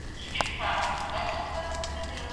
زموږ سرونه دې نذرانه وي.